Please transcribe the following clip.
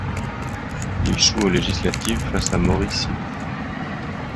Il échoue aux législatives face à Maurice Sibille.